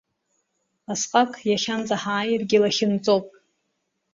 Асҟак, иахьанӡа ҳааирагьы лахьынҵоуп…